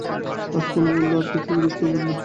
আজমল বলল, আর কিছু জিজ্ঞেস করবেন না?